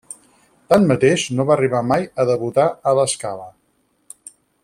Tanmateix, no va arribar mai a debutar a La Scala.